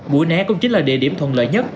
buổi né cũng chính là địa điểm thuận lợi nhất